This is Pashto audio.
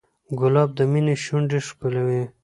ګلاب د مینې شونډې ښکلوي.